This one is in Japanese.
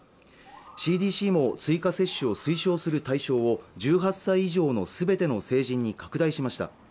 ＣＤＣも追加接種を推奨する対象を１８歳以上の全ての成人に拡大しました